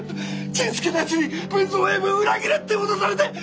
甚助の奴に文蔵親分を裏切れって脅されて。